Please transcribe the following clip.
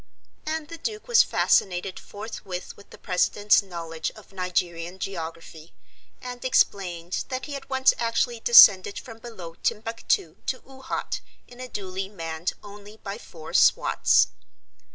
And the Duke was fascinated forthwith with the president's knowledge of Nigerian geography, and explained that he had once actually descended from below Timbuctoo to Oohat in a doolie manned only by four swats.